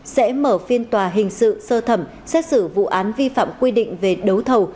sẽ mở phiên tòa hình sự sơ thẩm xét xử vụ án vi phạm quy định về đấu thầu